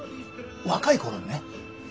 若い頃にね。